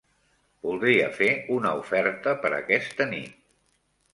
Voldria fer una oferta per aquesta nit.